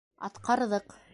Атҡарҙыҡ.